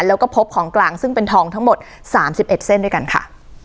แล้วก็พบของกลางซึ่งเป็นทองทั้งหมด๓๑เส้นด้วยกันค่ะ